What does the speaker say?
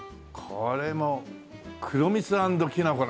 これも「黒みつ＆きな粉」。